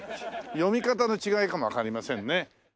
読み方の違いかもわかりませんね。